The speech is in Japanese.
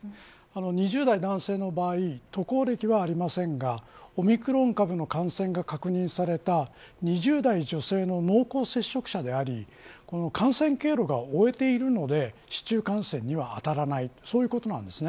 ２０代男性の場合渡航歴はありませんがオミクロン株の感染が確認された２０代女性の濃厚接触者であり感染経路が追えているので市中感染には当たらないということです。